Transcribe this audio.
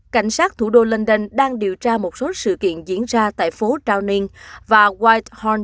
cảnh sát thủ đô london đang điều tra một số sự kiện diễn ra tại phố downing và whitehorn